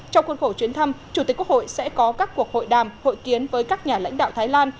trong khuôn khổ chuyến thăm chủ tịch quốc hội sẽ có các cuộc hội đàm hội kiến với các nhà lãnh đạo thái lan